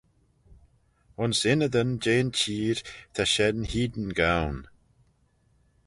Ayns ynnydyn jeh'n çheer ta shen hene goan.